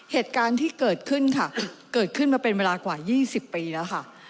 เหตุการณ์ที่เกิดขึ้นค่ะเกิดขึ้นมาเป็นเวลากว่า๒๐ปีแล้วค่ะ